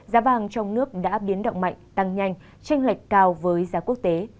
giá vàng trong nước đã biến động mạnh tăng nhanh tranh lệch cao với giá quốc tế